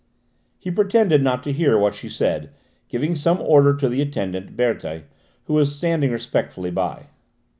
He pretended not to hear what she said, giving some order to the attendant, Berthe, who was standing respectfully by.